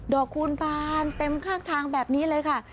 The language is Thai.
คูณบานเต็มข้างทางแบบนี้เลยค่ะ